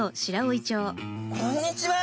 こんにちは！